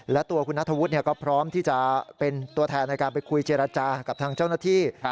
และตัวคุณนัทธวุฒิก็พร้อมที่จะเป็นตัวแทนในการไปคุยเจรจากับทางเจ้าหน้าที่